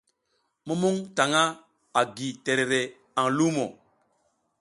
Mumuƞ naƞʼha a gi terere aƞ lumo.